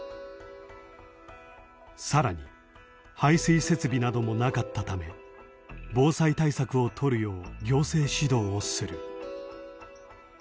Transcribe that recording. さらに排水設備などもなかったため防災対策をとるよう行政指導をする。